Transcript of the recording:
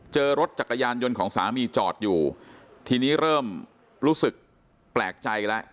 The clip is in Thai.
เจอรถจักรยานยนต์ของสามีจอดอยู่ทีนี้เริ่มรู้สึกแปลกใจแล้ว